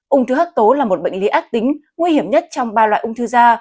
ung thư hấp tố là một bệnh lý ác tính nguy hiểm nhất trong ba loại ung thư da